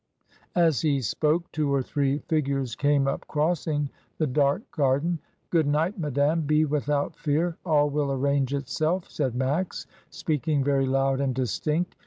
As he spoke two or three figures came up crossing the dark garden. "Good night, madame, be without fear; all will arrange it self," said Max, speaking very loud and distinct.